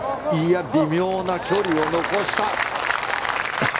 微妙な距離を残した。